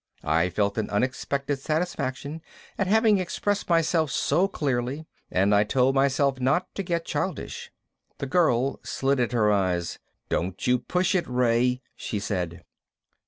I felt an unexpected satisfaction at having expressed myself so clearly and I told myself not to get childish. The girl slitted her eyes. "Don't you push it, Ray," she said.